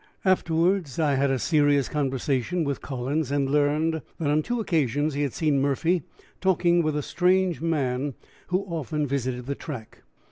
Afterwards I had a serious conversation with Collins, and learned that on two occasions he had seen Murphy talking with a strange man who often visited the track.